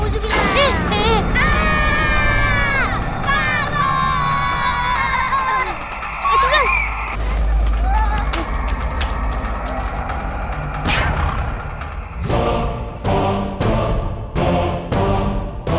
jangan main main dengan kami